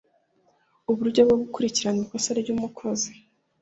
uburyo bwo gukurikirana ikosa ry’umukozi